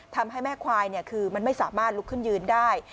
ทำให้แม่ควายคือมันไม่สามารถลุกขึ้นยืนได้